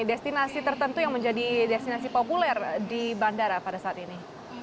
destinasi tertentu yang menjadi destinasi populer di bandara pada saat ini